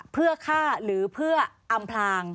เพื่อฆ่าหรือเพื่ออำพลาง